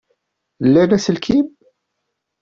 Llan aselkim?